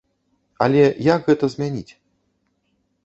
Але як гэта змяніць?